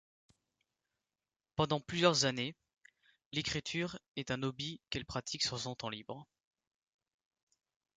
Pendant plusieurs années, l'écriture est un hobby qu'elle pratique sur son temps libre.